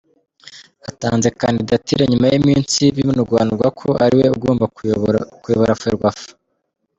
Atanze kandidatire nyuma y’iminsi binugwanugwa ko ariwe ugomba kuyobora Ferwafa.